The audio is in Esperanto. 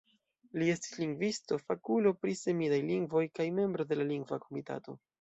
Li estis lingvisto, fakulo pri semidaj lingvoj kaj membro de la Lingva Komitato.